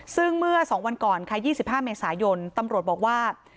ซึ่งเมื่อ๒วันก่อนค่ะ๒๕เมษายนตำรวจบอกว่า